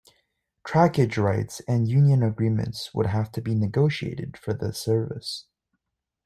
Trackage rights and union agreements would have to be negotiated for this service.